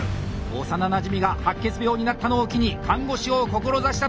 幼なじみが白血病になったのを機に看護師を志したという藤本。